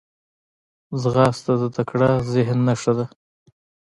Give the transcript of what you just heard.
ځغاسته د تکړه ذهن نښه ده